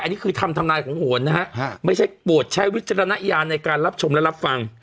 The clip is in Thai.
อันนี้คือคำทำนายของโหนนะฮะไม่ใช่โปรดใช้วิจารณญาณในการรับชมและรับฟัง